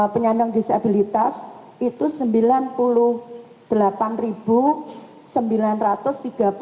penyandang disabilitas itu rp sembilan puluh delapan sembilan ratus